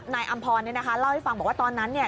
อำพรเนี่ยนะคะเล่าให้ฟังบอกว่าตอนนั้นเนี่ย